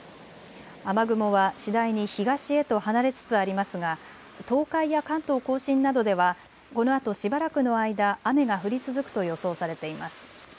雨雲は次第に東へと離れつつありますが東海や関東甲信などではこのあとしばらくの間、雨が降り続くと予想されています。